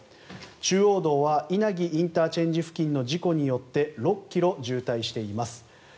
中央道は稲城ＩＣ付近の事故によって６ｋｍ渋滞しています。